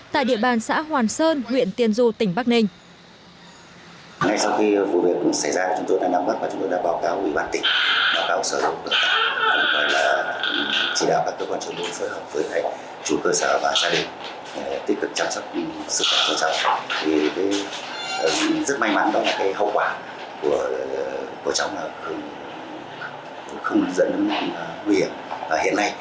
tại địa bàn xã hoàn sơn huyện tiên du tỉnh bắc ninh